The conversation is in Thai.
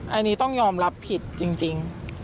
อันนี้ต้องยอมรับผิดจริง